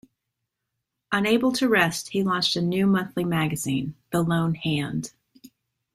Unable to rest, he launched a new monthly magazine, "The Lone Hand".